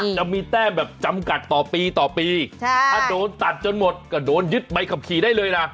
จะมีแต้มแบบจำกัดต่อปีต่อปีถ้าโดนตัดจนหมดก็โดนยึดใบขับขี่ได้เลยนะ